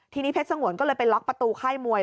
ทีนี้เพชรสงวนก็เลยไปล็อกประตูค่ายมวย